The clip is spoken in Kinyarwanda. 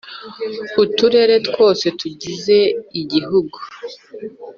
Uturere twose tugize Igihugu